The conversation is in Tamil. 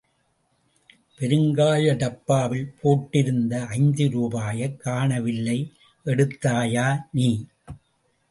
பெருங்காய டப்பாவிலே போட்டிருந்த ஐந்து ரூபாயைக் காணவில்லை, எடுத்தாயா நீ?